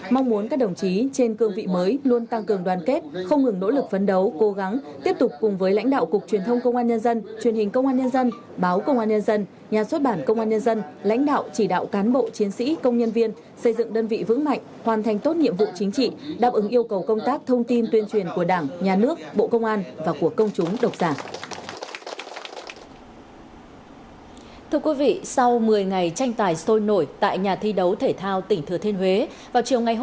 mong muốn các đồng chí trên cương vị mới luôn tăng cường đoàn kết không ngừng nỗ lực phấn đấu cố gắng tiếp tục cùng với lãnh đạo cục truyền thông công an nhân dân truyền hình công an nhân dân báo công an nhân dân nhà xuất bản công an nhân dân lãnh đạo chỉ đạo cán bộ chiến sĩ công nhân viên xây dựng đơn vị vững mạnh hoàn thành tốt nhiệm vụ chính trị đáp ứng yêu cầu công tác thông tin tuyên truyền của đảng nhà nước bộ công an và của công chúng độc giả